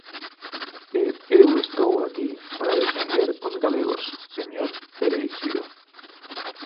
E eu estou aquí para defender os galegos, señor Cereixido.